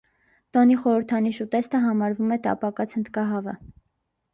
Տոնի խորհրդանիշ ուտեստը համարվում է տապակած հնդկահավը։